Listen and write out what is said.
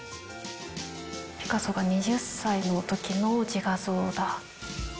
ピカソが２０歳のときの自画像だ。